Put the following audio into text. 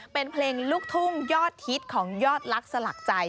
เป็นเพลงลูกทุ่งยอดฮิตของยอดลักษณ์สลักใจ